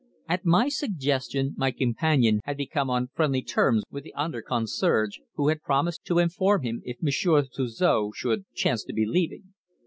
At my suggestion my companion had become on friendly terms with the under concierge, who had promised to inform him if Monsieur Suzor should chance to be leaving.